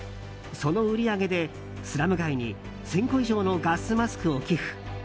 その売り上げで、スラム街に１０００個以上のガスマスクを寄付。